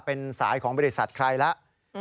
เป็นสายของบริษัทใครแล้ว